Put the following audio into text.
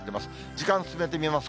時間進めてみます。